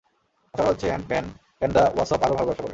আশা করা হচ্ছে, Ant-Man and the wasp আরও ভালো ব্যবসা করবে।